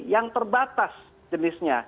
yang terbatas jenisnya